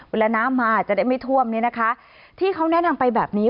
เวลาน้ำมาจะได้ไม่ท่วมเนี่ยนะคะที่เขาแนะนำไปแบบนี้